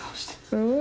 うん。